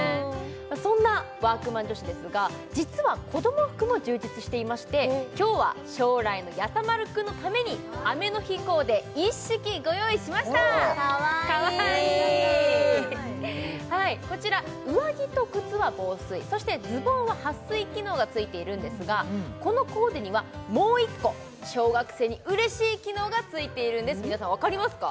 そんなワークマン女子ですが実は子供服も充実していまして今日は将来のやさ丸くんのために雨の日コーデ一式ご用意しましたかわいいこちら上着と靴は防水そしてズボンは撥水機能がついているんですがこのコーデにはもう一個小学生にうれしい機能がついているんです皆さんわかりますか？